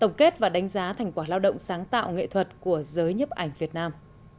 tổng kết và đánh giá thành quả lao động sáng tạo nghệ thuật của giới nhấp ảnh việt nam